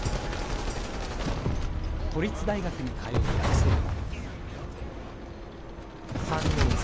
都立大学に通う学生は。